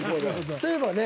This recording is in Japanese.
そういえばね